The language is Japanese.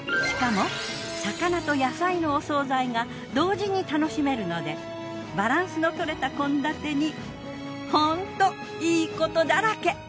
しかも魚と野菜のお惣菜が同時に楽しめるのでバランスのとれた献立にホントいいことだらけ。